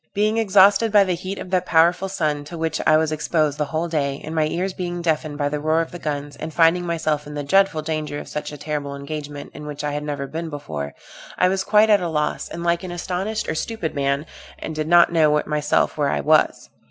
Being exhausted by the heat of that powerful sun, to which I was exposed the whole day, and my ears being deafened by the roar of the guns, and finding myself in the dreadful danger of such a terrible engagement, in which I had never been before, I was quite at a loss, and like an astonished or stupid man, and did not know myself where I was.